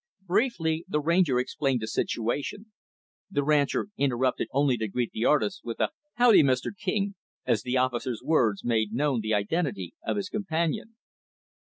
Briefly, the Ranger explained the situation. The rancher interrupted only to greet the artist with a "howdy, Mr. King," as the officer's words made known the identity of his companion.